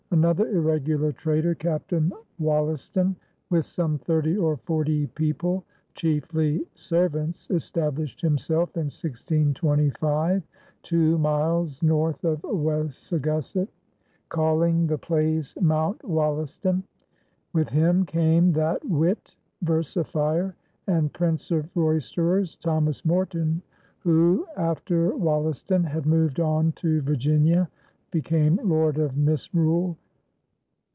Another irregular trader, Captain Wollaston, with some thirty or forty people, chiefly servants, established himself in 1625 two miles north of Wessagusset, calling the place Mount Wollaston. With him came that wit, versifier, and prince of roysterers, Thomas Morton, who, after Wollaston had moved on to Virginia, became "lord of misrule."